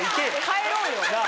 帰ろうよ。